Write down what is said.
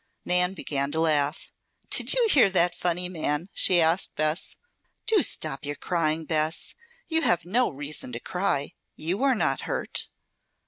Nan began to laugh. "Did you hear that funny man?" she asked Bess. "Do stop your crying, Bess! You have no reason to cry. You are not hurt."